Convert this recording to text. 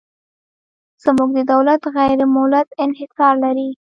زموږ دولت غیر مولد انحصار لري.